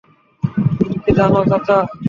তুমি কি জানো, চাচা?